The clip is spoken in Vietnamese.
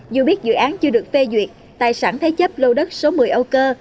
dù biết dự án chưa được phê duyệt tài sản thế chấp lô đất số một mươi âu cơ